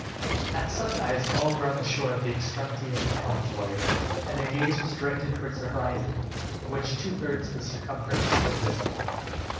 At sunrise all were on the shore at the extremity of the promontory, and their gaze was directed towards the horizon, of which two thirds of the circumference were visible.